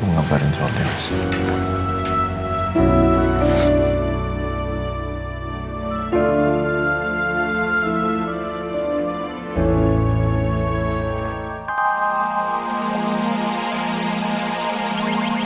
bunga barang jualan ya si